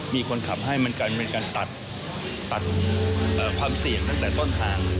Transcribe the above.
มีคนขับให้มันกลายเป็นการตัดความเสี่ยงตั้งแต่ต้นทาง